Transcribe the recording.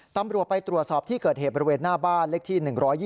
ตำรวจไปตรวจสอบที่เกิดเหตุบริเวณหน้าบ้านเลขที่๑๒๒